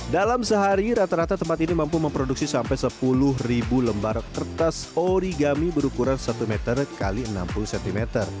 dalam sehari rata rata tempat ini mampu memproduksi sampai sepuluh lembar kertas origami berukuran satu meter x enam puluh cm